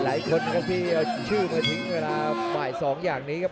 หลายคนครับที่เอาชื่อมาทิ้งเวลาบ่าย๒อย่างนี้ครับ